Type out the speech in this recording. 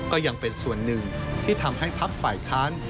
ก็ยังเป็นส่วนหนึ่งที่ทำให้พักฝ่ายค้าน